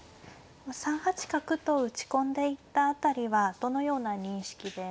３八角と打ち込んでいった辺りはどのような認識で指されていましたか。